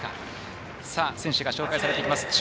選手が紹介されていきます。